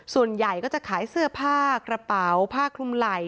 ส่วนใหญ่ก็จะขายเสื้อผ้ากระเป๋าผ้าคลุมไหล่